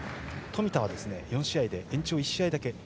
冨田は、４試合で延長１試合だけ。